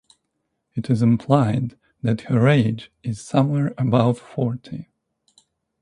It is implied that her age is somewhere above forty.